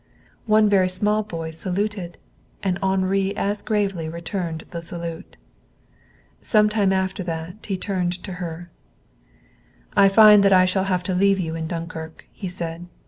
One very small boy saluted, and Henri as gravely returned the salute. Some time after that he turned to her. "I find that I shall have to leave you in Dunkirk," he said.